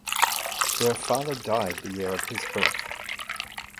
Their father died the year of his birth.